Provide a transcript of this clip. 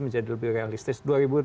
menjadi lebih realistis